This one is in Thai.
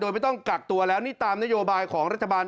โดยไม่ต้องกักตัวแล้วนี่ตามนโยบายของรัฐบาล